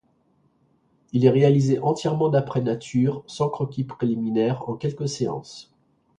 Il est réalisé entièrement d'après nature, sans croquis préliminaires, en quelques séances.